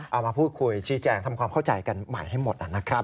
เอามาพูดคุยชี้แจงทำความเข้าใจกันใหม่ให้หมดนะครับ